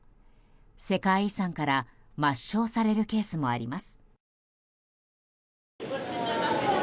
世界遺産から抹消されるケースもあります。